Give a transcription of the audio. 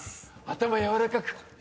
頭柔らかく！